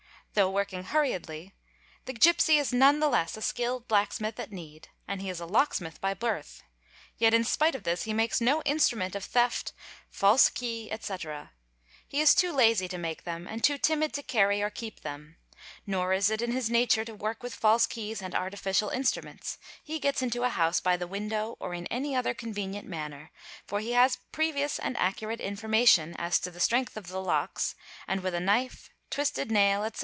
'Though working hurriedly, the gipsy is none the less a skilled blacksmith at need, and he is a locksmith by birth, yet in spite of this he makes no instrument of theft, false key, etc. _ He is too lazy to make them and too timid to carry or keep them. Nor is it in his nature to work with false keys and artificial instruments ; he zi ets into a house by the window or in any other convenient manner ; for he has previous and accurate information as to the strength of the locks, E I d with a knife, twisted nail, etc.